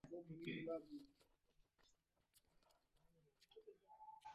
huyu hutumika kama nembo ya taifa letu Miongo michache iliyo pita takwimu zinaonesha twiga